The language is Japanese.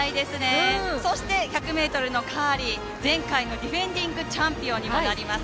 そして１００ｍのカーリー、前回のディフェンディングチャンピオンにもなります。